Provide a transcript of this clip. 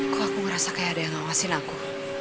kok aku ngerasa kayak ada yang ngawasin aku